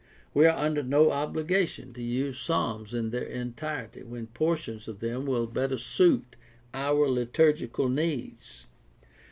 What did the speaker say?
We are under no obligation to use psalms in their entirety when portions of them will better suit our liturgical needs.